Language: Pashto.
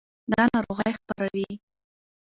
دا ناروغۍ خپروي.